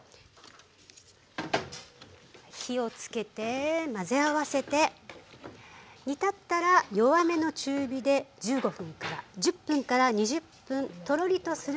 火をつけて混ぜ合わせて煮たったら弱めの中火で１５分から１０分から２０分トロリとするまで。